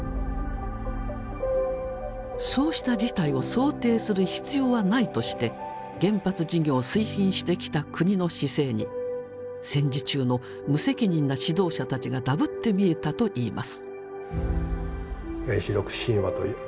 そうした事態を想定する必要はないとして原発事業を推進してきた国の姿勢に戦時中の無責任な指導者たちがダブって見えたといいます。